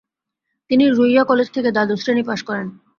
তিনি রুইয়া কলেজ থেকে দ্বাদশ শ্রেণি পাস করেন।